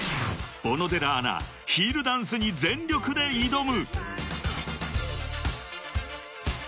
［小野寺アナヒールダンスに全力で挑む！］